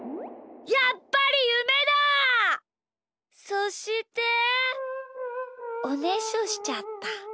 そしておねしょしちゃった。